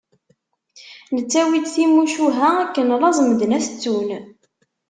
Nettawi-d timucuha, akken laẓ medden ad t-ttun.